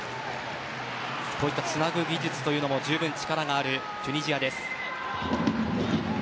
こういったつなぐ技術にも十分力があるチュニジアです。